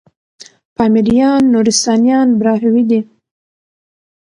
پامـــــیـــریــــان، نورســــتانــیان براهــــوی دی